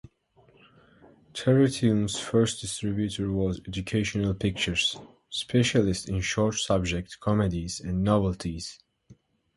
Terrytoons' first distributor was Educational Pictures, specialists in short-subject comedies and novelties.